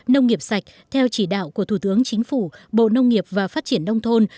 nông nghiệp sạch theo chỉ đạo của thủ tướng chính phủ bộ nông nghiệp và phát triển nông thôn